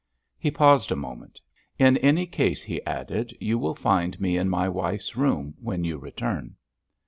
He paused a moment. "In any case," he added, "you will find me in my wife's room when you return."